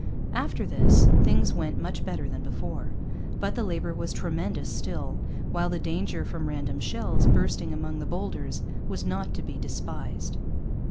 After this, things went much better than before. But the labour was tremendous still; while the danger from random shells bursting among the boulders was not to be despised.